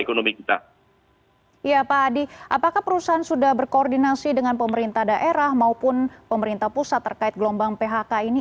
ya pak adi apakah perusahaan sudah berkoordinasi dengan pemerintah daerah maupun pemerintah pusat terkait gelombang phk ini